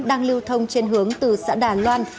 đang lưu thông trên hướng từ xã đà loan